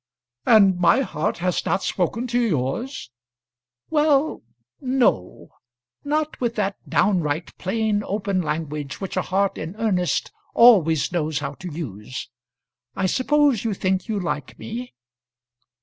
"And my heart has not spoken to yours?" "Well; no; not with that downright plain open language which a heart in earnest always knows how to use. I suppose you think you like me?"